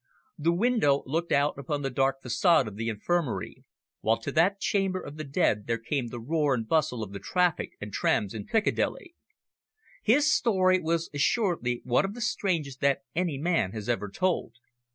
The window looked out upon the dark facade of the Infirmary, while to that chamber of the dead there came the roar and bustle of the traffic and trams in Piccadilly. His story was assuredly one of the strangest that any man has ever told.